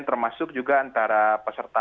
termasuk juga antara peserta